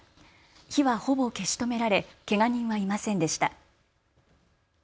火はほぼ消し止められけが人はいませんでした。